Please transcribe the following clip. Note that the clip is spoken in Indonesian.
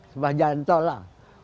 sampai jalan tol lah